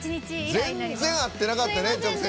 全然会ってなかったね。